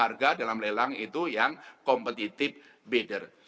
ya dalam harga dalam lelang itu yang competitive bidder